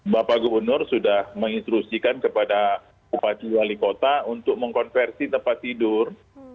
bapak gubernur sudah menginstruksikan kepada bupati wali kota untuk mengkonversi tempat tidur